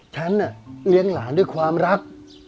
ฉันเลี้ยงหลานด้วยความรัก